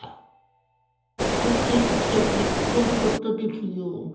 くっついてきちゃって悪かったですよ。